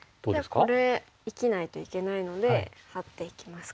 じゃあこれ生きないといけないのでハッていきますか。